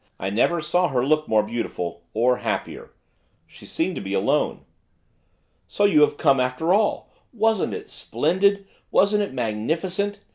I never saw her look more beautiful, or happier. She seemed to be alone. 'So you have come, after all! Wasn't it splendid? wasn't it magnificent?